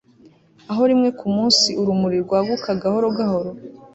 aho rimwe kumunsi urumuri rwaguka gahoro gahoro